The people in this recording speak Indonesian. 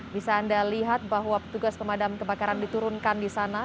bisa anda lihat bahwa petugas pemadam kebakaran diturunkan di sana